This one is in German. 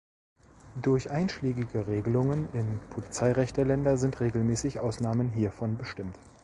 Durch einschlägige Regelungen im Polizeirecht der Länder sind regelmäßig Ausnahmen hiervon bestimmt.